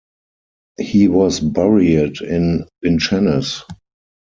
He was buried in Vincennes.